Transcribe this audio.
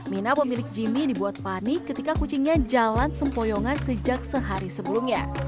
mina pemilik jimmy dibuat panik ketika kucingnya jalan sempoyongan sejak sehari sebelumnya